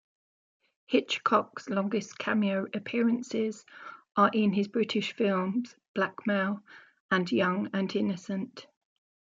Hitchcock's longest cameo appearances are in his British films "Blackmail" and "Young and Innocent".